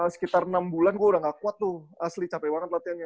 sekitar enam bulan gue udah gak kuat tuh asli capek banget latihannya